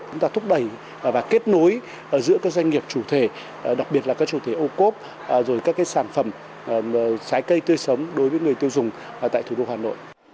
chúng ta thúc đẩy và kết nối giữa các doanh nghiệp chủ thể đặc biệt là các chủ thể ô cốp rồi các sản phẩm trái cây tươi sống đối với người tiêu dùng tại thủ đô hà nội